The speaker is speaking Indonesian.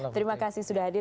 terima kasih sudah hadir